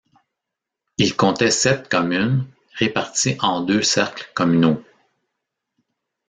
Il comptait sept communes réparties en deux cercles communaux.